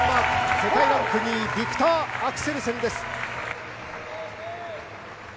世界ランク２位、ビクター・アクセルセンです。